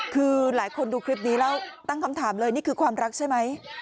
คือหลายคนดูคลิปนี้แล้วตั้งคำถามเลยนี่คือความรักใช่ไหม